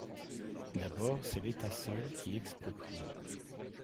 D'abord, c'est l'État seul qui exproprie.